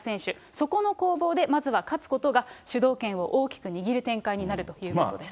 そこの攻防でまずは勝つことが、主導権を大きく握る展開になるということです。